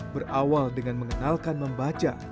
berawal dengan mengenalkan membaca